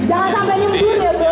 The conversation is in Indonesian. jangan sampai nyumbur ya bro